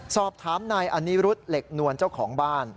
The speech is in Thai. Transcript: สอบถามนายอนิรุธเหล็กนวลเจ้าของบ้าน